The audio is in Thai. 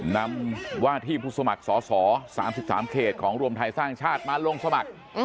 นำว่าที่ผู้สมัครสอสอ๓๓เขตของรวมไทยสร้างชาติมาลงสมัคร